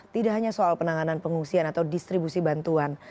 tidak hanya soal penanganan pengungsian atau distribusi bantuan